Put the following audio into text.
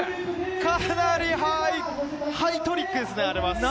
かなりハイトリックですね！